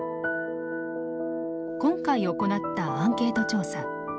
今回行ったアンケート調査。